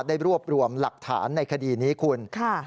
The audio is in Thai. ได้รวบรวมหลักฐานในคดีนี้คุณ